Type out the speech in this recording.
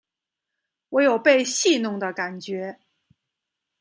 我有被戏弄的感觉